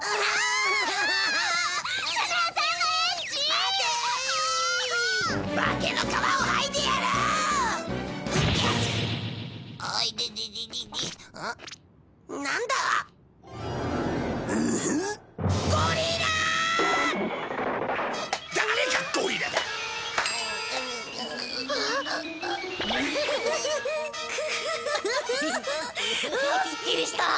ああすっきりした。